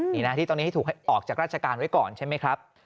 นี่นะที่ตอนนี้ให้ถูกออกจากราชการไว้ก่อนใช่ไหมครับ